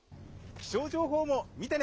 気象情報も見てね。